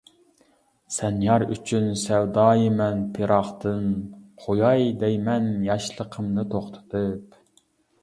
سەن يار ئۈچۈن سەۋدايىمەن پىراقتىن، قوياي دەيمەن ياشلىقىمنى توختىتىپ.